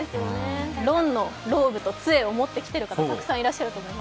ロンのローブとつえを持ってきている人たくさんいると思います。